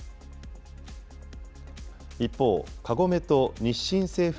一方、カゴメと日清製粉